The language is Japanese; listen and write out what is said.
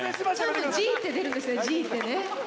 「Ｇ」って出るんですね、「Ｇ」って。